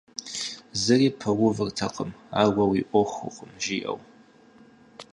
Зыри пэувыртэкъым, ар уэ уи Ӏуэхукъым, жиӀэу.